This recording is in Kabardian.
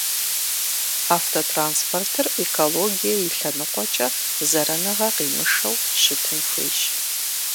Автотранспортыр экологие и лъэныкъуэкӀэ зэраныгъэ къимышэу щытын хуейщ.